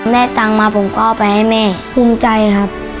ได้ตังค์มาผมก็เอาไปให้แม่ภูมิใจครับ